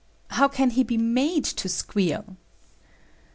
How can he be made to squeal?"